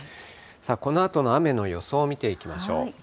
さあ、このあとの雨の予想を見ていきましょう。